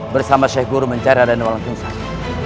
bersama sheikh guru mencari adanya orang tungsang